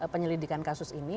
penyelidikan kasus ini